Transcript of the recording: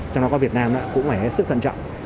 trong đó có việt nam cũng phải hết sức thận trọng